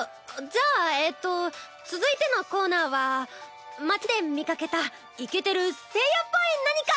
じゃあえっと続いてのコーナーは街で見かけたイケてる声優っぽい何か！